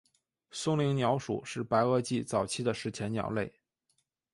松岭鸟属是白垩纪早期的史前鸟类。